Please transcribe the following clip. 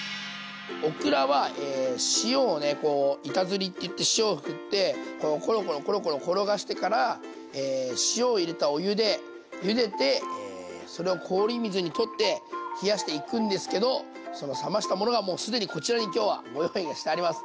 オクラは塩をねこう板ずりっていって塩をふってコロコロコロコロ転がしてから塩を入れたお湯でゆでてそれを氷水にとって冷やしていくんですけどその冷ましたものがもう既にこちらに今日はご用意がしてあります。